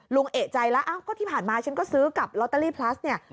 เอกใจแล้วก็ที่ผ่านมาฉันก็ซื้อกับลอตเตอรี่พลัสเนี่ย